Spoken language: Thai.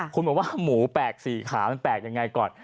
คุณบอกว่าหมูแปลกสี่ขามันแปลกยังไงก่อน